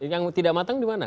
yang tidak matang dimana